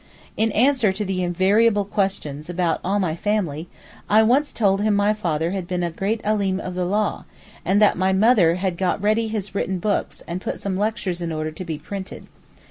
In answer to the invariable questions about all my family I once told him my father had been a great Alim of the Law, and that my mother had got ready his written books and put some lectures in order to be printed.